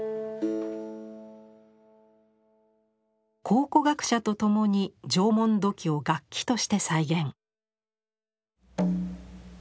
考古学者とともに縄文土器を楽器として再現。